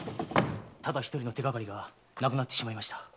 ただ一人の手がかりが亡くなってしまいました。